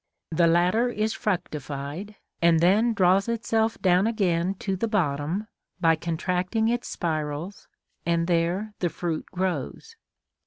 The latter is fructified, and then draws itself down again to the bottom by contracting its spirals, and there the fruit grows.